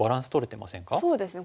そうですね